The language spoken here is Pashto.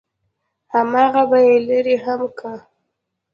همغه به يې لرې هم کا.